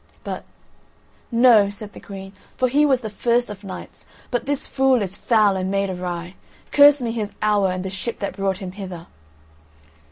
But—"No," said the Queen, "for he was the first of knights, but this fool is foul and made awry. Curse me his hour and the ship that brought him hither."